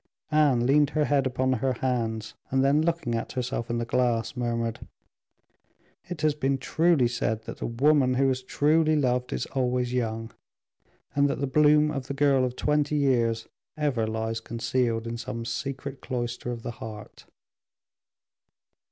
Anne leaned her head upon her hands, and then looking at herself in the glass, murmured, "It has been truly said, that a woman who has truly loved is always young, and that the bloom of the girl of twenty years ever lies concealed in some secret cloister of the heart."